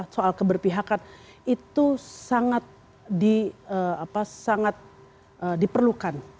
soal keberpihakan itu sangat diperlukan